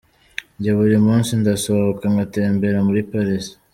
Njye buri munsi ndasohoka ngatembera muri Paris”.